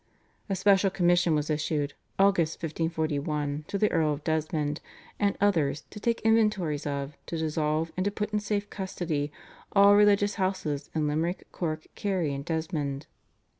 A special commission was issued (Aug. 1541) to the Earl of Desmond and others "to take inventories of, to dissolve, and to put in safe custody, all religious houses in Limerick, Cork, Kerry, and Desmond."